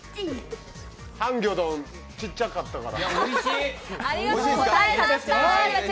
ハンギョドンちっちゃかったから。